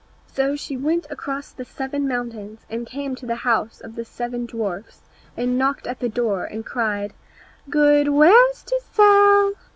So she went across the seven mountains and came to the house of the seven dwarfs, and knocked at the door and cried, "Good wares to sell!